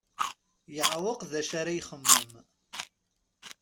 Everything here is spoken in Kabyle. Yeɛweq d acu ara ixemmem.